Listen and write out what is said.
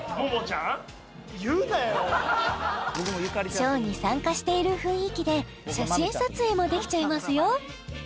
ショーに参加している雰囲気で写真撮影もできちゃいますよ